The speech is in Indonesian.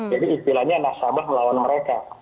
jadi istilahnya nasabah melawan mereka